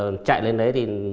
đối tượng chạy lên đấy